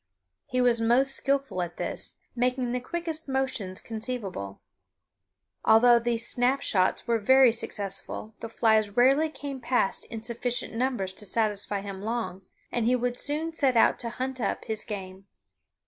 He was most skillful at this, making the quickest motions conceivable. Although these snap shots were very successful, the flies rarely came past in sufficient numbers to satisfy him long, and he would soon set out to hunt up his game.